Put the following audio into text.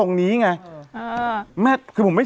เนี่ยรู้ดิ